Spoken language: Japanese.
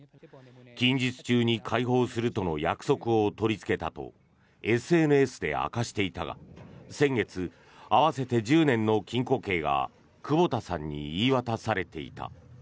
近日中に解放するとの約束を取りつけたとＳＮＳで明かしていたが先月、合わせて１０年の禁錮刑が久保田さんに言い渡されていた。